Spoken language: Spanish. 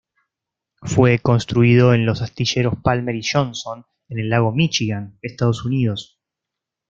Fue construido en los astilleros Palmer y Johnson, en el lago Míchigan, Estados Unidos.